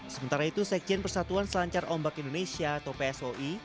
sementara itu sekjen persatuan selancar ombak indonesia atau psoi